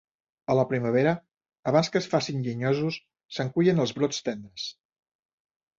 A la primavera, abans que es facin llenyosos, se'n cullen els brots tendres.